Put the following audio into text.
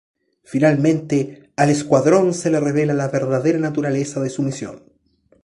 Finalmente, al escuadrón se le revela la verdadera naturaleza de su misión.